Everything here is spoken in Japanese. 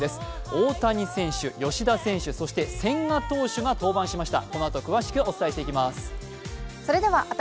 大谷選手、吉田選手、そして千賀投手が登板しました。